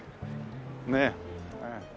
ねえ。